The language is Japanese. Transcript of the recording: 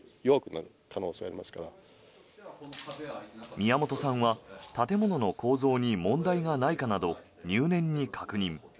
宮本さんは建物の構造に問題がないかなど入念に確認。